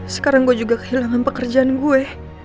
sekarang gue juga kehilangan pekerjaan gue